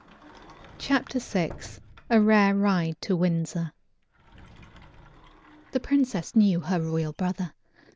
CHAPTER VI A Rare Ride to Windsor The princess knew her royal brother.